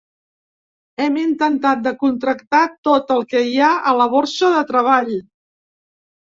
Hem intentat de contractar tot el que hi ha a la borsa de treball.